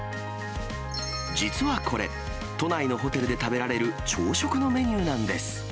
実はこれ、都内のホテルで食べられる朝食のメニューなんです。